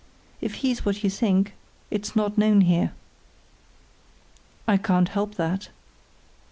_ If he's what you think it's not known here." "I can't help that."